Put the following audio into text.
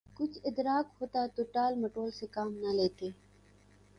کچھ ادراک ہوتا تو ٹال مٹول سے کام نہ لیتے۔